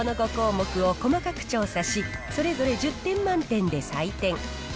この５項目を細かく調査し、それぞれ１０点満点で採点。